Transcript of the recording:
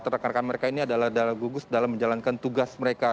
rekan rekan mereka ini adalah gugus dalam menjalankan tugas mereka